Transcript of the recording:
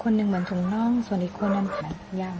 คุณหนึ่งเหมือนถุงน่องส่วนอีกคุณนั้นค่ะยากไหม